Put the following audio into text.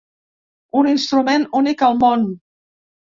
Un instrument únic al món.